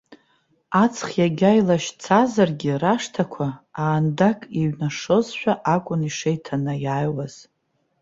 Аҵх егьа илашьцазаргьы, рашҭақәа аандак еиҩнашозшәа акәын ишеиҭанаиааиуаз.